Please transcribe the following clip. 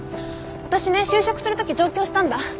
私ね就職するとき上京したんだ。